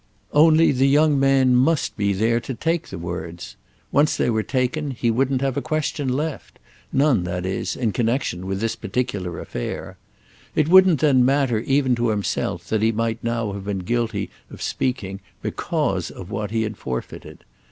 Only the young man must be there to take the words. Once they were taken he wouldn't have a question left; none, that is, in connexion with this particular affair. It wouldn't then matter even to himself that he might now have been guilty of speaking because of what he had forfeited.